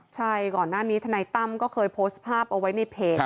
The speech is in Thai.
ใช่ก่อนหน้านี้ธนายตั้มก็เคยโพสต์ภาพเอาไว้ในเพจ